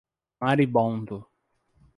Maribondo